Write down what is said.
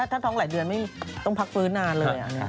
ถ้าท้องหลายเดือนไม่ต้องพักฟื้นนานเลย